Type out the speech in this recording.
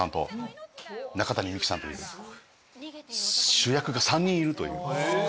主役が３人いるという。